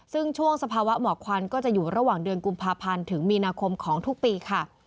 ซึ่งช่วงสภาวะหมอกควันก็จะอยู่ระหว่างเดือนกุมภาพันธ์ถึงมีนาคมของทุกปีค่ะ